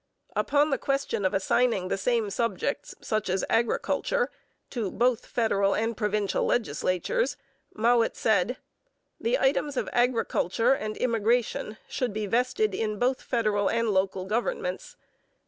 Upon the question of assigning the same subjects, such as agriculture, to both federal and provincial legislatures, Mowat said: The items of agriculture and immigration should be vested in both federal and local governments.